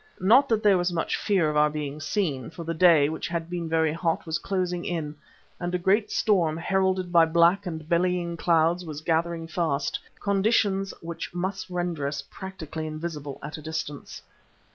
Not that there was much fear of our being seen, for the day, which had been very hot, was closing in and a great storm, heralded by black and bellying clouds, was gathering fast, conditions which must render us practically invisible at a distance.